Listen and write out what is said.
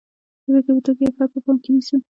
د بېلګې په توګه یو فرد په پام کې نیسو.